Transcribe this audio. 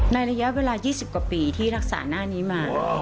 ระยะเวลา๒๐กว่าปีที่รักษาหน้านี้มา